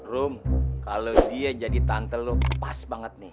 rum kalau dia jadi tante lu pas banget nih